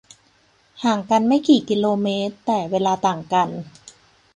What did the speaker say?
ห่างกันไม่กี่ กม แต่เวลาต่างกัน